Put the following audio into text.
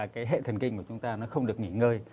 cái hệ thần kinh của chúng ta nó không được nghỉ ngơi